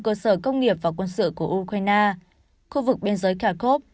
cơ sở công nghiệp và quân sự của ukraine khu vực biên giới cakov